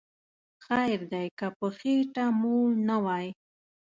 خیر دی که په خیټه موړ نه وی